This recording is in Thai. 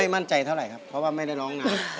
มั่นใจเท่าไหร่ครับเพราะว่าไม่ได้ร้องนาน